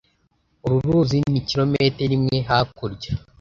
Uru ruzi ni kilometero imwe hakurya.